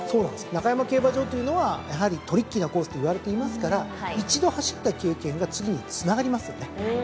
中山競馬場というのはやはりトリッキーなコースといわれていますから一度走った経験が次につながりますよね。